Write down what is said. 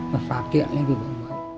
mà phát triển lên cái gốm mới